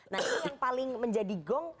nah ini yang paling menjadi gong